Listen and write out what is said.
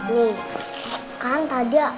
nih kan tadi